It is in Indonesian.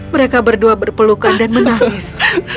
mereka berdua berpelukan dan menangis